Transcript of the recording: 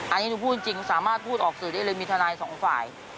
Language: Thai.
อันนี้หนูพูดจริงสามารถพูดออกสื่อได้เลยมีทนายสองฝ่าย